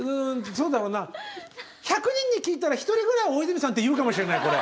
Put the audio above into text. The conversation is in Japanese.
そうだろうな１００人に聞いたら１人ぐらいは「大泉さん」って言うかもしれないこれ。